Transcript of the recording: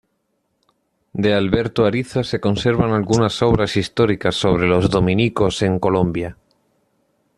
De Alberto Ariza se conservan algunas obras históricas sobre los dominicos en Colombia.